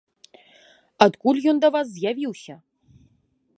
Адкуль ён да вас з'явіўся?